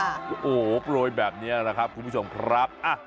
โอ้โหโปรยแบบนี้นะครับคุณผู้ชมครับ